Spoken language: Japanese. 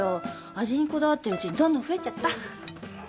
味にこだわってるうちにどんどん増えちゃった。